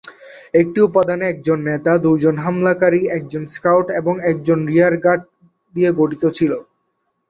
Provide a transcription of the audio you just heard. একটি উপাদানে একজন নেতা, দুইজন হামলাকারী, একজন স্কাউট, এবং একজন রিয়ার-গার্ড দিয়ে গঠিত ছিল।